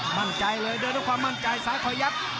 มั่นใจเลยเดินด้วยความมั่นใจซ้ายคอยยับ